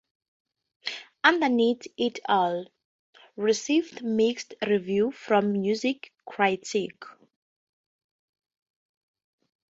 "Underneath It All" received mixed reviews from music critics.